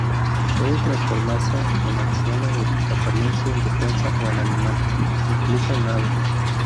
Puede transformarse en anciana de apariencia indefensa, o en animal, incluso en ave.